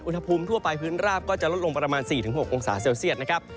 ทั่วไปพื้นราบก็จะลดลงประมาณ๔๖องศาเซลเซียตนะครับ